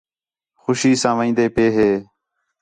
خوشی ساں وین٘دے پئے ہے